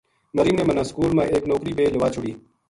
مریم نے مَنا سکول ما ایک نوکری بے لوا چھُڑی